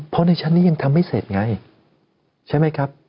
เพราะในชั้นนี้ยังทำไม่เสร็จไงใช่ไหมครับ